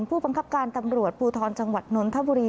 ผู้บังคับการตำรวจภูทรจังหวัดนนทบุรี